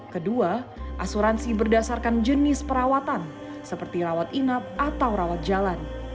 kedua asuransi berdasarkan jenis perawatan seperti rawat inap atau rawat jalan